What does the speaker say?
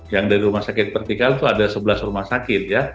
yang dari rumah sakit pertikal itu ada sebelas rumah sakit ya